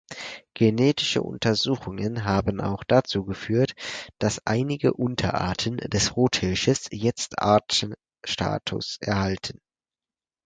Genetische Untersuchungen haben auch dazu geführt, dass einige Unterarten des Rothirsches jetzt Artstatus erhalten.